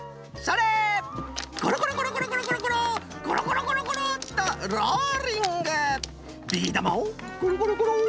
ビー玉をコロコロコロコロコロコロっとローリング。